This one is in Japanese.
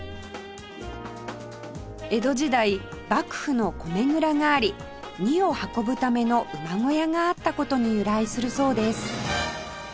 江戸時代幕府の米蔵があり荷を運ぶための馬小屋があった事に由来するそうです